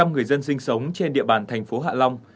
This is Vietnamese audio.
một trăm linh người dân sinh sống trên địa bàn thành phố hạ long